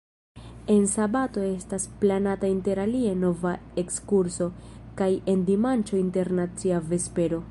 En sabato estas planata interalie nova ekskurso, kaj en dimanĉo internacia vespero.